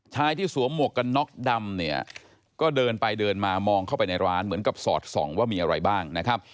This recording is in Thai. ที่สวมหมวกกันน็อกดำเนี่ยก็เดินไปเดินมามองเข้าไปในร้านเหมือนกับสอดส่องว่ามีอะไรบ้างนะครับ